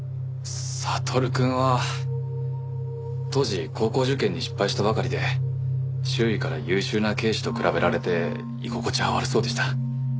悟くんは当時高校受験に失敗したばかりで周囲から優秀な兄姉と比べられて居心地は悪そうでした。